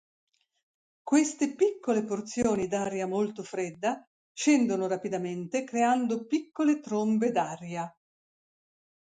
Queste piccole porzioni d'aria molto fredda scendono rapidamente creando piccole trombe d'aria.